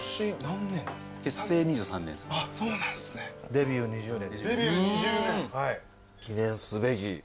デビュー２０年。